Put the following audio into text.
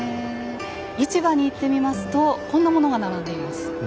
市場に行ってみますとこんなものが並んでいます。